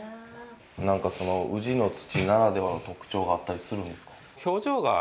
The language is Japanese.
何かその宇治の土ならではの特徴があったりするんですか。